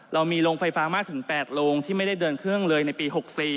เรามีโรงไฟฟ้ามากถึง๘โรงที่ไม่ได้เดินเครื่องเลยในปี๖๔